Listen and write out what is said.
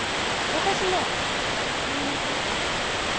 私も家のポストに。